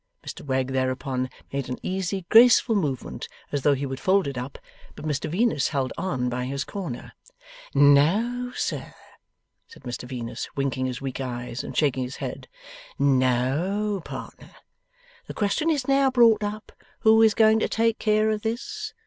Mr Wegg thereupon made an easy, graceful movement, as though he would fold it up; but Mr Venus held on by his corner. 'No, sir,' said Mr Venus, winking his weak eyes and shaking his head. 'No, partner. The question is now brought up, who is going to take care of this.